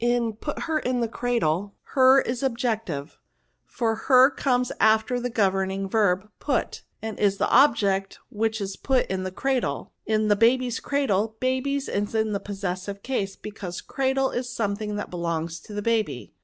In * put her in the cradle,' her is ob jective; for her comes after the governing verb, put, and is the object which is put in the cradle. In * the baby's cradle^ baby*s is in the possessive case, because crac^/e is something that belongs to the baby.